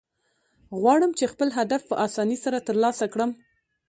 غواړم، چي خپل هدف په آساني سره ترلاسه کړم.